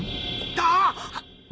あっ！